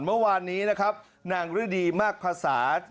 เมื่อวานนี้นะครับนางฤดีมากภาษา